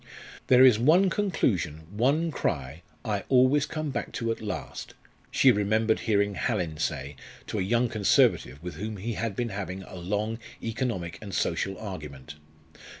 "There is one conclusion, one cry, I always come back to at last," she remembered hearing Hallin say to a young Conservative with whom he had been having a long economic and social argument.